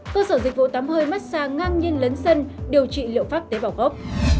cơ sở dịch vụ tắm hơi mát xa ngang nhiên lấn sân điều trị liệu pháp tế bào gốc